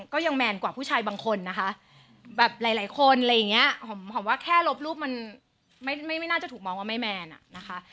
แมนกว่าผู้ชายบางคนนะคะแบบหลายคนอะไรอย่างเงี้ยหอมว่าแค่ลบรูปมันไม่น่าจะถูกมองว่าไม่แมนอ่ะนะคะ